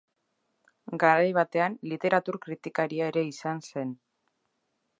Garai batean, literatur kritikaria ere izan zen.